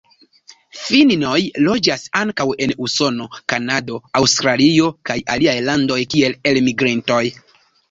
Finnoj loĝas ankaŭ en Usono, Kanado, Aŭstralio kaj aliaj landoj kiel elmigrintoj.